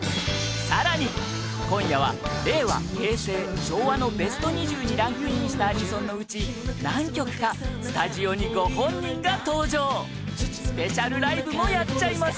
更に、今夜は令和、平成、昭和のベスト２０にランクインしたアニソンのうち何曲かスタジオに、ご本人が登場スペシャルライブもやっちゃいます！